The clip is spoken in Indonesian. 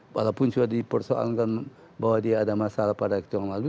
walaupun sudah dipersoalkan bahwa dia ada masalah pada waktu yang lalu